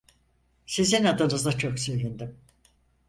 Sizin adınıza çok sevindim.